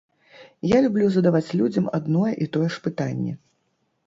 Я люблю задаваць людзям адно і тое ж пытанне.